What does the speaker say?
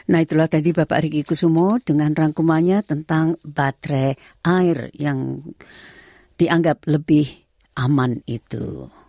nah itulah tadi bapak riki kusumo dengan rangkumannya tentang baterai air yang dianggap lebih aman itu